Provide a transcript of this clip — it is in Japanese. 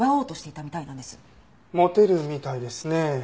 モテるみたいですねえ。